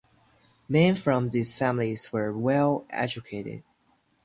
Men from these families were well educated.